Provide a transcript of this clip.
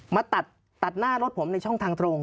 มาตัดหน้ารถผมในช่องทางตรง